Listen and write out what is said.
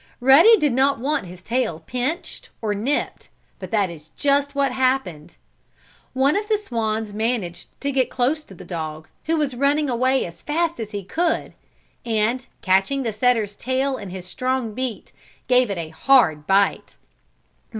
Ruddy did not want his tail pinched, or nipped, but that is just what happened. One of the swans managed to get close to the dog, who was running away as fast as he could, and, catching the setter's tail in his strong beak, gave it a hard bite.